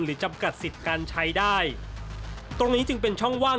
จำกัดสิทธิ์การใช้ได้ตรงนี้จึงเป็นช่องว่าง